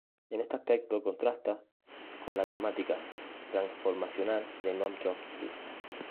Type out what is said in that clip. En este aspecto contrasta con la Gramática Transformacional de Noam Chomsky.